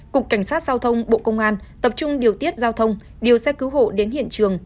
cục cảnh sát giao thông bộ công an tập trung điều tiết giao thông điều xe cứu hộ đến hiện trường